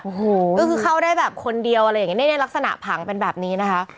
โอ้โหก็คือเข้าได้แบบคนเดียวอะไรอย่างนี้ในลักษณะผังเป็นแบบนี้นะคะ